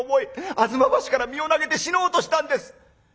吾妻橋から身を投げて死のうとしたんです」。